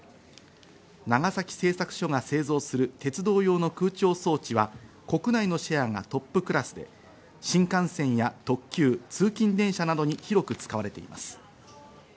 長崎製作所が製造する鉄道用の空調装置は、国内のシェアがトップクラスで、新幹線や特急、通勤電車などに広く使われています。